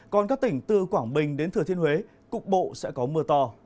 còn các tỉnh từ quảng bình đến thừa thiên huế cục bộ sẽ có mưa to